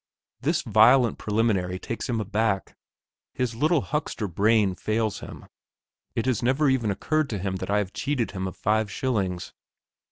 This violent preliminary takes him aback; his little huckster brain fails him. It has never even occurred to him that I have cheated him of five shillings.